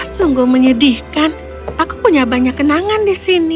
sungguh menyedihkan aku punya banyak kenangan di sini